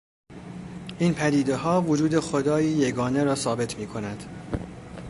این پدیدهها وجود خدایی یگانه را ثابت می کند.